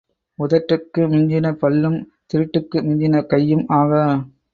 உதட்டுக்கு மிஞ்சின பல்லும் திருட்டுக்கு மிஞ்சின கையும் ஆகா.